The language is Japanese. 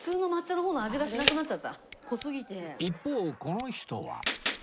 一方この人は